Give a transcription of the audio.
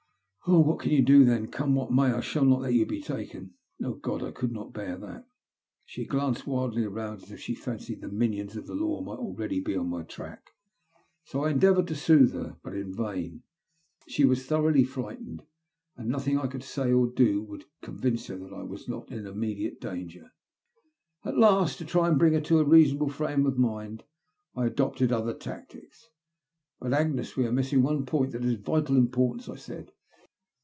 " Oh, what can you do then ? Come what may I shall not let you be taken. Oh God, I could not bear that." She glanced wildly round, as if she fancied the minions of the law might already be on my track. I endeavoured to soothe her, but in vain. She was thoroughly frightened, and nothing I could say or do would convince her that I was not in immediate 248 THE LUST OF HATB. danger. At last, to try and bring her to a reasonable frame of mind, I adopted other tactics. '* But, Agnes, we are missing one point that is cf vital importance/' I said.